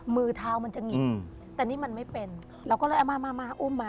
มือเท้ามันจะหงิกแต่นี่มันไม่เป็นเราก็เลยเอามามาอุ้มมา